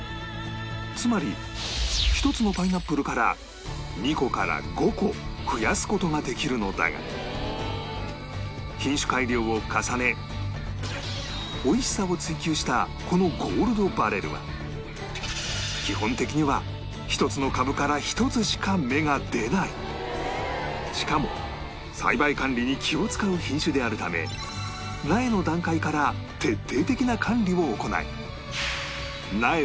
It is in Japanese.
つまり１つのパイナップルから２個から５個増やす事ができるのだが品種改良を重ねおいしさを追求したこのゴールドバレルは基本的にはしかも栽培管理に気を使う品種であるため苗の段階から徹底的な管理を行い